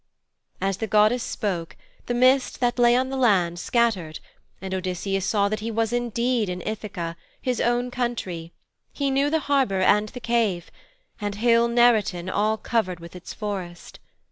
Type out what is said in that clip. As the goddess spoke the mist that lay on the land scattered and Odysseus saw that he was indeed in Ithaka, his own country he knew the harbour and the cave, and the hill Neriton all covered with its forest.